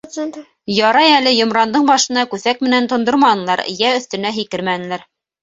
Ярай әле Йомрандың башына күҫәк менән тондорманылар, йә өҫтөнә һикермәнеләр.